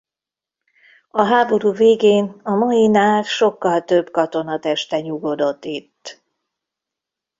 A háború végén a mainál sokkal több katona teste nyugodott itt.